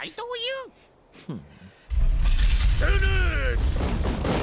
うん。